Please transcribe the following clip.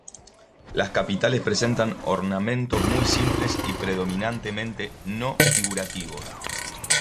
Los capiteles presentan ornamentos muy simples y predominantemente no figurativos.